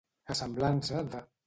A semblança de.